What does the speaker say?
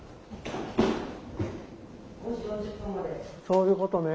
そういうことね。